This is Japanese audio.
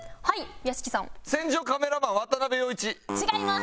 違います！